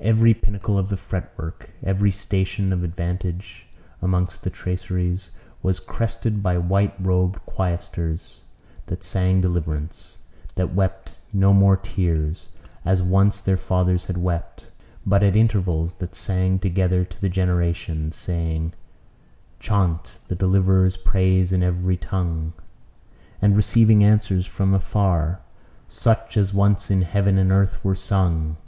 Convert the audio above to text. Every pinnacle of the fretwork, every station of advantage amongst the traceries, was crested by white robed choristers, that sang deliverance; that wept no more tears, as once their fathers had wept; but at intervals that sang together to the generations, saying "Chaunt the deliverer's praise in every tongue," and receiving answers from afar, "such as once in heaven and earth were sung."